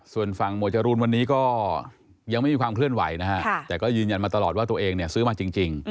ส่วนฝั่งหมวดจรูนวันนี้ก็ยังไม่มีความเคลื่อนไหวนะฮะแต่ก็ยืนยันมาตลอดว่าตัวเองเนี่ยซื้อมาจริง